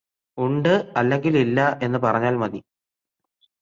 ഉണ്ട് അല്ലെങ്കിൽ ഇല്ല എന്ന് പറഞ്ഞാൽ മതി.